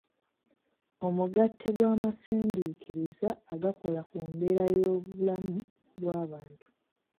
Omugatte gw’amasindiikiriza agakola ku mbeera y’obulamu bw’abantu.